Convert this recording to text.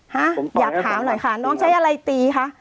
ฮะอยากถามหน่อยค่ะน้องใช้อะไรตีคะ